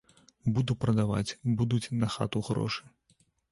Буду прадаваць, будуць на хату грошы.